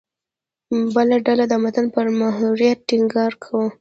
بله ډله د متن پر محوریت ټینګار کاوه.